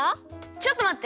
ちょっとまって！